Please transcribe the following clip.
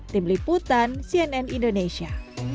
tim liputan cnn indonesia